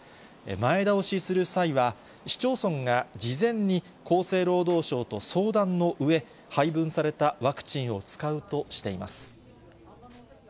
前倒しする際は、市町村が事前に厚生労働省と相談のうえ、配分されたワクチンを使うとしています。